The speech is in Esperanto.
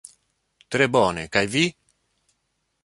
Tre bone, kaj vi?